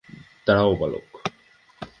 দাড়াও, বালক।